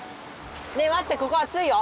ねえまってここあついよ！